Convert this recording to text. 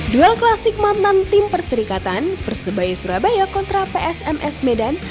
duel klasik mantan tim perserikatan persebaya surabaya kontra psms medan